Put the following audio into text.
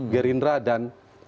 gerindra dan pks